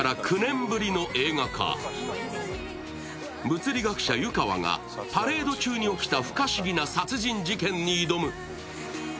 物理学者・湯川がパレード中に起きた不可思議な殺人事件に挑む。